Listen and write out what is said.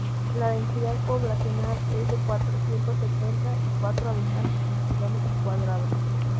La densidad poblacional es de cuatrocientos setenta y cuatro habitantes por kilómetro cuadrado.